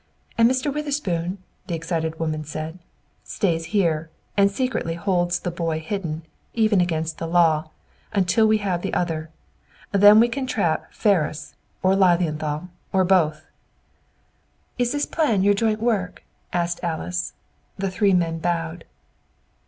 "And Mr. Witherspoon?" the excited woman said. "Stays here and secretly holds the boy hidden, even against the law, until we have the other. Then we can trap Ferris or Lilienthal, or both." "Is this plan your joint work?" asked Alice. The three men bowed.